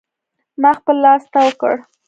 ما خپل لاس تاو کړ.